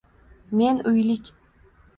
Men — uylik